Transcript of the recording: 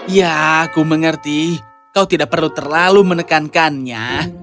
ya aku mengerti kau tidak perlu terlalu menekankannya